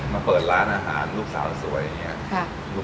มาเปิดร้านอาหารลูกสาวสวยอย่างนี้